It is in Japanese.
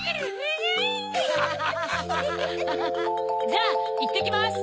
・じゃあいってきます！